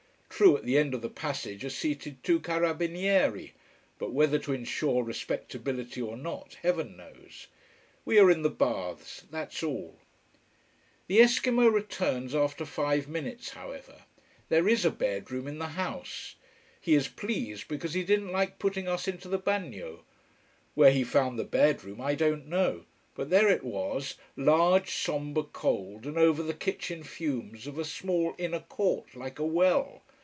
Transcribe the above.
True, at the end of the passage are seated two carabinieri. But whether to ensure respectibility or not, Heaven knows. We are in the baths, that's all. [Illustration: ISILI] The esquimo returns after five minutes, however. There is a bedroom in the house. He is pleased, because he didn't like putting us into the bagnio. Where he found the bedroom I don't know. But there it was, large, sombre, cold, and over the kitchen fumes of a small inner court like a well.